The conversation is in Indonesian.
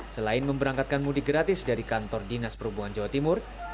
selain memberangkatkan mudik gratis dari kantor dinas perhubungan jawa timur